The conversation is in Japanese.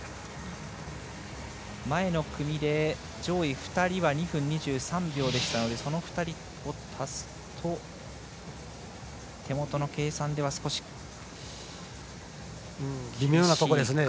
前の組で上位２人は２分２３秒でしたからその２人を足すと手元の計算では少し厳しいか。